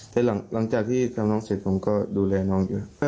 แต่หลังจากที่ทำน้องเสร็จผมก็ดูแลน้องอยู่